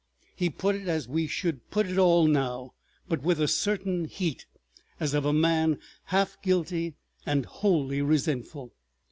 He put it as we should put it all now, but with a certain heat as of a man half guilty and wholly resentful.